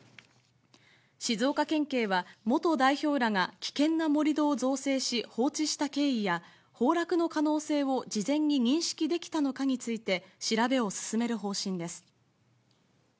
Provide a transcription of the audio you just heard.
静岡県警は元代表らが危険な盛り土を造成し放置した経緯や、崩落の可能性を事前に認識できたのかについて、調べを進める方針です。